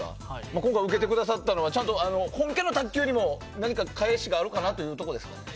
今回受けてくださったのはちゃんと、本家の卓球よりも何かあるかなということですか。